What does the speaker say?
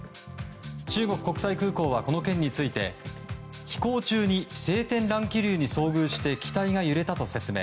中国国際航空はこの件について飛行中に晴天乱気流に遭遇して機体が揺れたと説明。